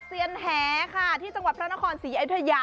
เซียนแหค่ะที่จังหวัดพระนครศรีอยุธยา